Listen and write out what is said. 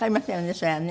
それはね。